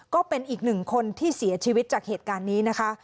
ก็เป็นอีกหนึ่งคนที่เสียชีวิตจากเหตุการณ์นี้นะคะ